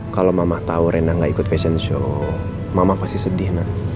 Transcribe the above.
kalau mama tahu rena gak ikut fashion show mama pasti sedih nak